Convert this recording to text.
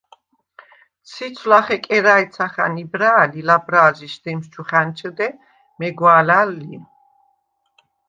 ციცვ ლახე კერა̄̈ჲცახა̈ნ იბრა̄̈ლ ი ლაბრა̄ლჟი შდიმს ჩუ ხა̈ნჩჷდე, მეგვა̄ლა̈ლ ლი.